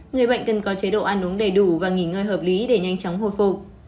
người bệnh cần có chế độ ăn uống đầy đủ và nghỉ ngơi hợp lý để nhanh chóng hồi phục